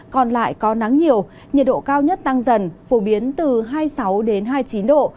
còn lại có nắng nhiều nhiệt độ cao nhất tăng dần phổ biến từ hai mươi sáu đến hai mươi chín độ